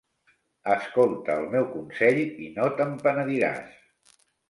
Escolta el meu consell i no te'n penediràs.